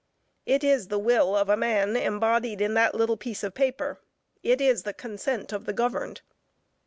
It is the will of a man embodied in that little piece of paper; it is the consent of the governed.